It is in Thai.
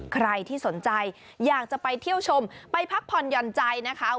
ใครที่สนใจอยากจะไปเที่ยวชมไปพักผ่อนหย่อนใจนะคะ